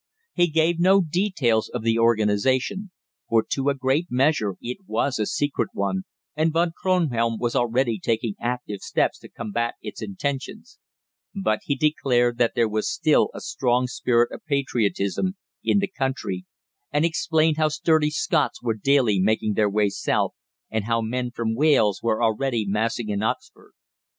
He gave no details of the organisation, for to a great measure it was a secret one, and Von Kronhelm was already taking active steps to combat its intentions; but he declared that there was still a strong spirit of patriotism in the country, and explained how sturdy Scots were daily making their way south, and how men from Wales were already massing in Oxford.